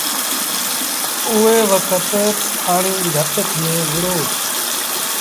اُئي وکت پآڻيٚ گھٽ ٿئي وُهڙو۔